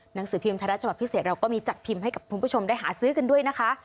หนังสือพิมพ์ไทยรัฐฉบับพิเศษเราก็มีจัดพิมพ์ให้กับคุณผู้ชมได้หาซื้อกันด้วยนะคะ